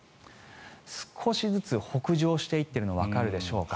少しずつ北上していっているのがわかるでしょうか。